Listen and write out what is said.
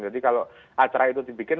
jadi kalau acara itu dibikin